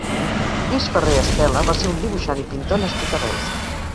Lluís Ferré Estela va ser un dibuixant i pintor nascut a Reus.